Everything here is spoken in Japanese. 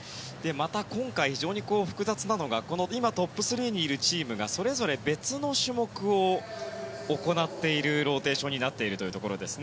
また今回、非常に複雑なのが今トップ３にいるチームがそれぞれ別の種目を行っているローテーションになっているというところです。